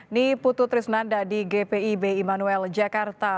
nih putu trisnanda di gpib immanuel jakarta